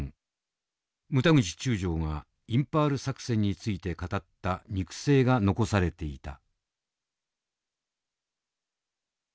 牟田口中将がインパール作戦について語った肉声が残されていた。